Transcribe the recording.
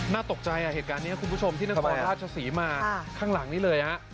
น่าตกใจเหตุการณ์นี้คุณผู้ชมที่นครราชศรีมาข้างหลังนี้เลยฮะ